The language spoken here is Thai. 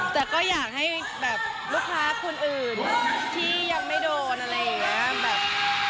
แต่ก็อยากให้แบบลูกค้าคนอื่นที่ยังไม่โดนอะไรอย่างนี้